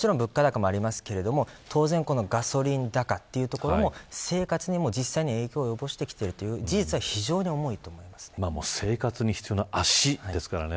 物価高もありますけれども当然ガソリン高というところも生活に実際に影響を及ぼしてきている事実は生活に必要な足ですからね。